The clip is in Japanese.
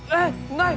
ない！